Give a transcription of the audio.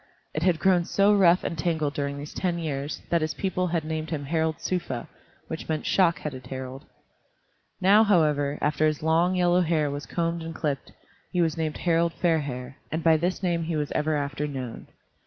It had grown so rough and tangled during these ten years that his people had named him Harald Sufa, which meant "Shock headed Harald." Now, however, after his long, yellow hair was combed and clipped, he was named Harald Fairhair, and by this name he was ever after known.